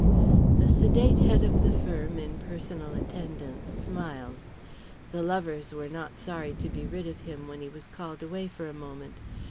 The sedate head of the firm in personal attendance smiled. The lovers were not sorry to be rid of him when he was called away for a moment.